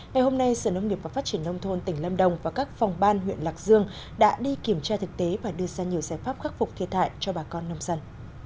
ngày hôm nay sở nông nghiệp và phát triển nông thôn tỉnh lâm đồng và các phòng ban huyện lạc dương đã đi kiểm tra thực tế và đưa ra nhiều giải pháp khắc phục thiệt hại cho bà con nông dân